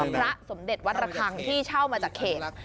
พระสมเด็จวัดระคังที่เช่ามาจากเขต